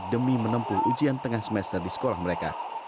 demi menempuh ujian tengah semester di sekolah mereka